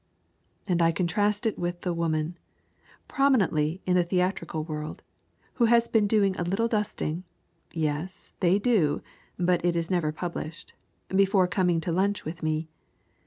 And I contrast it with the woman, prominent in the theatrical world, who had been doing a little dusting yes, they do, but it is never published before coming to lunch with me.